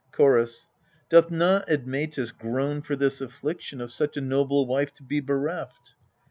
Chorus. Doth not Admetus groan for this affliction Of such a noble wife to be bereft